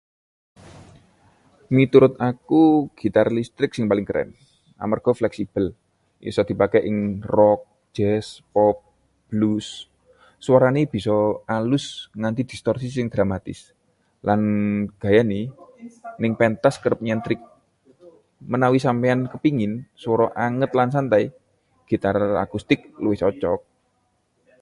Miturut aku, gitar listrik sing paling keren. Amarga fleksibel, isa dipaké ing rock, jazz, pop, blues. suwarané bisa alus nganti distorsi sing dramatis, lan gayané neng pentas kerep nyentrik. Menawi sampeyan kepéngin swara anget lan santai, gitar akustik luwih cocok.